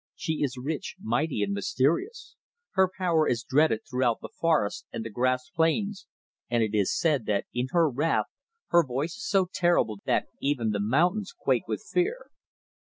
She is rich, mighty and mysterious. Her power is dreaded throughout the forests and the grass plains, and it is said that in her wrath her voice is so terrible that even the mountains quake with fear."